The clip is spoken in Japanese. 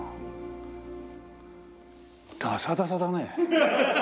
ダサダサだね。